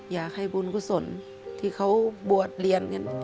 อยากให้บุญกุศลที่เขาบวชเรียนกัน